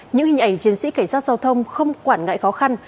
những hình ảnh chiến sĩ cảnh sát giao thông không quản ngại khó khăn